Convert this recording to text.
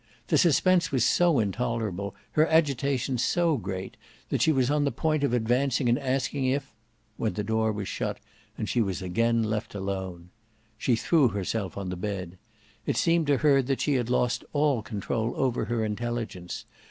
The suspense was so intolerable, her agitation so great, that she was on the point of advancing and asking if—when the door was shut and she was again left alone. She threw herself on the bed. It seemed to her that she had lost all control over her intelligence.